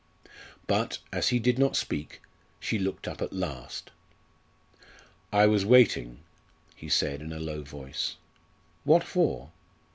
But, as he did not speak, she looked up at last. "I was waiting," he said in a low voice. "What for?"